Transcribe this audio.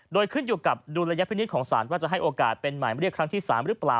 โดยขึ้นอยู่กับดุลยพินิษฐ์ของศาลว่าจะให้โอกาสเป็นหมายเรียกครั้งที่๓หรือเปล่า